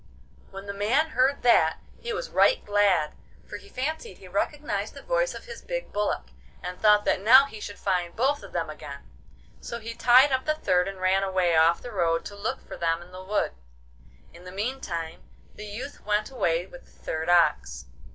When the man heard that he was right glad, for he fancied he recognised the voice of his big bullock, and thought that now he should find both of them again. So he tied up the third, and ran away off the road to look for them in the wood. In the meantime the youth went away with the third ox.